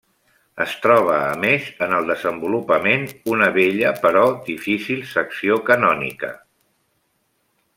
Es troba a més en el desenvolupament una bella però difícil secció canònica.